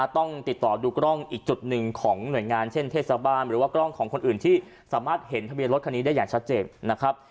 ต้องติดต่อดูกล้องอีกจุดหนึ่งของหน่วยงานเช่นเทศบาลหรือว่ากล้องของคนอื่นที่สามารถเห็นทะเบียนรถคันนี้ได้อย่างชัดเจนนะครับ